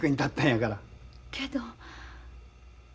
けど。